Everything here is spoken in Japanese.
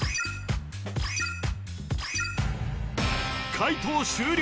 解答終了